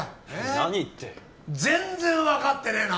何って全然分かってねえな